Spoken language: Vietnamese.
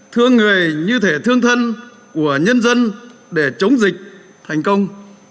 thương người như thể thương thân của nhân dân để chống dịch thành công